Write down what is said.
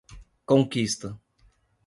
Conquista